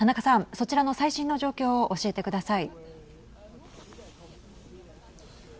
そちらの最新の状況を教えてください。